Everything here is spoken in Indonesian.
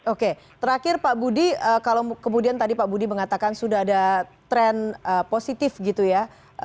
oke terakhir pak budi kalau kemudian tadi pak budi mengatakan sudah ada tren positif gitu ya